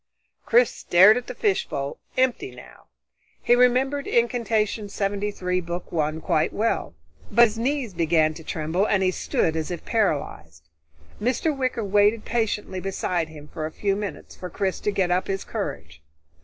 Chris stared at the fishbowl, empty now. He remembered Incantation 73, Book One, quite well, but his knees began to tremble and he stood as if paralyzed. Mr. Wicker waited patiently beside him for a few moments for Chris to get up his courage.